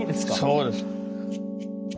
そうです。